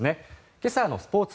今朝のスポーツ